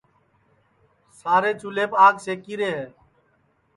سارے چُولھیپ آگ سیکی رے ہے